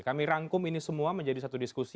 kami rangkum ini semua menjadi satu diskusi